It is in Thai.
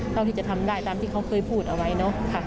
เท่าที่จะทำได้ตามที่เขาเคยพูดเอาไว้เนอะ